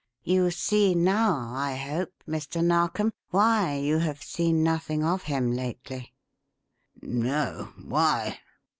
You see now, I hope, Mr. Narkom, why you have seen nothing of him lately?" "No why?"